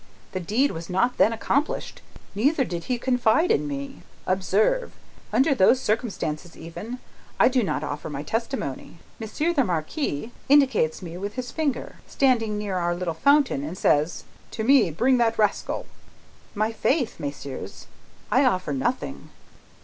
The deed was not then accomplished, neither did he confide in me. Observe! Under those circumstances even, I do not offer my testimony. Monsieur the Marquis indicates me with his finger, standing near our little fountain, and says, 'To me! Bring that rascal!' My faith, messieurs, I offer nothing."